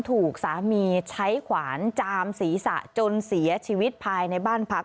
ถูกสามีใช้ขวานจามศีรษะจนเสียชีวิตภายในบ้านพัก